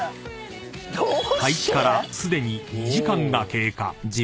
［開始からすでに２時間が経過］